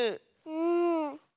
うん。